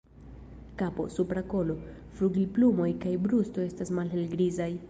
Kapo, supra kolo, flugilplumoj kaj brusto estas malhelgrizaj.